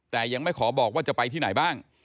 แต่ยังไม่ขอบอกว่าจะไปที่ไหนบ้าง